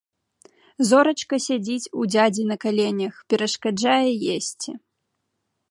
Зорачка сядзіць у дзядзі на каленях, перашкаджае есці.